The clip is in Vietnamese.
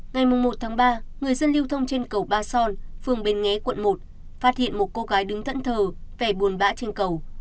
ngày một ba người dân lưu thông trên cầu ba son phường bến nghé quận một phát hiện một cô gái đứng thẳng thờ buồn bã trên cầu